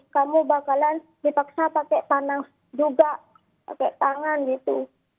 kamu bakalan dipaksa pakai tanah juga pakai tangan gitu